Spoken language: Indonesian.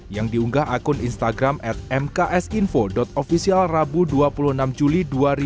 yang diunggah akun instagram at mksinfo officialrabu dua puluh enam juli dua ribu dua puluh tiga